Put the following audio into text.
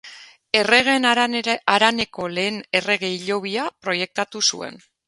Erregeen Haraneko lehen errege hilobia proiektatu zuen.